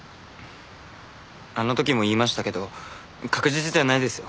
あの時も言いましたけど確実ではないですよ